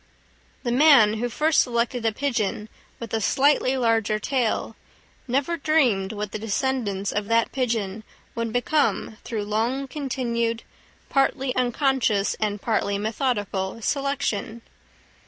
The man who first selected a pigeon with a slightly larger tail, never dreamed what the descendants of that pigeon would become through long continued, partly unconscious and partly methodical, selection.